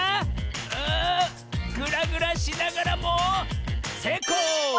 あグラグラしながらもせいこう！